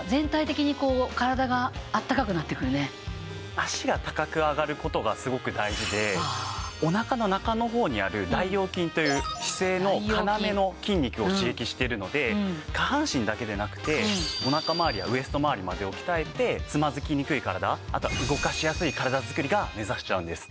だから脚が高く上がる事がすごく大事でお腹の中の方にある大腰筋という姿勢の要の筋肉を刺激しているので下半身だけでなくてお腹まわりやウエストまわりまでを鍛えてつまずきにくい体あとは動かしやすい体作りが目指せちゃうんです。